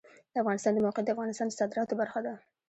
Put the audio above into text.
د افغانستان د موقعیت د افغانستان د صادراتو برخه ده.